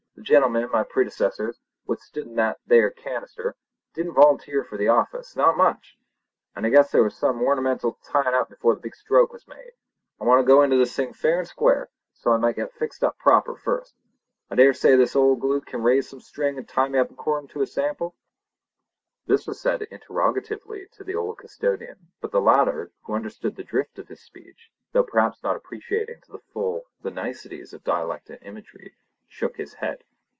The gentlemen, my predecessors, what stood in that thar canister, didn't volunteer for the office—not much! And I guess there was some ornamental tyin' up before the big stroke was made. I want to go into this thing fair and square, so I must get fixed up proper first. I dare say this old galoot can rise some string and tie me up accordin' to sample?" This was said interrogatively to the old custodian, but the latter, who understood the drift of his speech, though perhaps not appreciating to the full the niceties of dialect and imagery, shook his head.